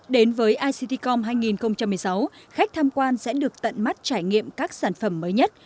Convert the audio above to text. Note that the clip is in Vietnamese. đến với ictcom hai nghìn một mươi sáu khách tham quan sẽ được tận mắt trải nghiệm các sản phẩm mới nhất